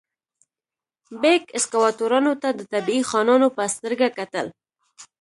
بیګ سکواټورانو ته د طبیعي خانانو په سترګه کتل.